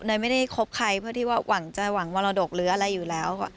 ไม่ได้คบใครเพื่อที่ว่าหวังใจหวังมรดกหรืออะไรอยู่แล้ว